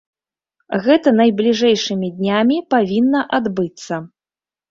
Гэта найбліжэйшымі днямі павінна адбыцца.